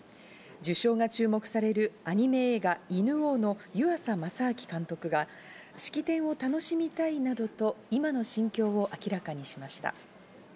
受賞が注目されるアニメ映画『犬王』の湯浅政明監督が式典を楽しみたいなどと今の心境を明らかにしました。